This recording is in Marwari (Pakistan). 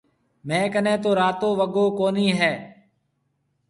ميه ڪنَي تو راتو وگو ڪونَي هيَ۔